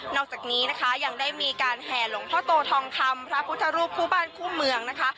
อกจากนี้นะคะยังได้มีการแห่หลวงพ่อโตทองคำพระพุทธรูปคู่บ้านคู่เมืองนะคะ